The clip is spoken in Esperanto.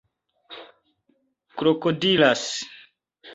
krokodilas